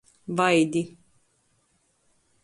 Vaidi.